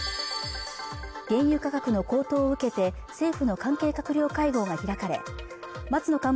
原油価格の高騰を受けて政府の関係閣僚会合が開かれ松野